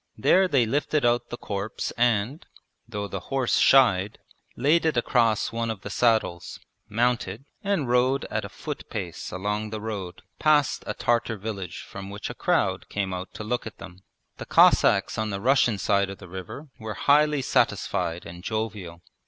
There they lifted out the corpse and (though the horse shied) laid it across one of the saddles, mounted, and rode at a foot pace along the road past a Tartar village from which a crowd came out to look at them. The Cossacks on the Russian side of the river were highly satisfied and jovial.